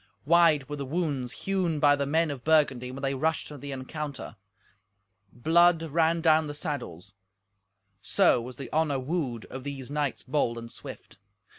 Wide were the wounds hewn by the men of Burgundy when they rushed to the encounter. Blood ran down the saddles. So was the honour wooed of these knights bold and swift.